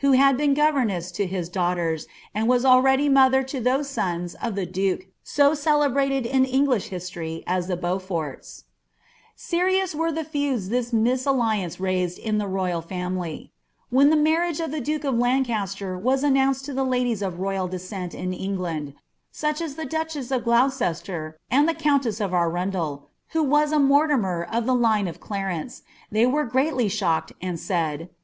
^^M been goTerness lo liia ttangliters, and was already mother to ihoK tOH of the duke »o cclobniied in English hislory as [ho Besafotu, Serio« wtru the feuds iliie iiiis allianee rsiaeil io the royal family, ffhea On marriage of tlie duke of Lnucnster was antiniinced lo ihe jiultes afrovtl descent in England, such as ihc duchess of Gloucester and the cuuniea of Arundel, who was a Mortimer of ihe line of Clnren':ei they v«t greatly iihocked, and said.